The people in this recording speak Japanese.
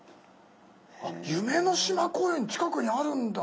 あっ夢の島公園近くにあるんだ。